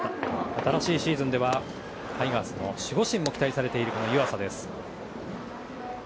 新しいシーズンではタイガースの守護神も期待されている湯浅です。